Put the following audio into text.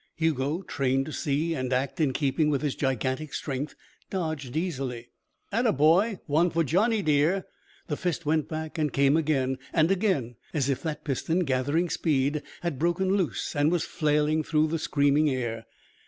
Hugo, trained to see and act in keeping with his gigantic strength, dodged easily. "Atta boy!" "One for Johnny dear!" The fist went back and came again and again, as if that piston, gathering speed, had broken loose and was flailing through the screaming air.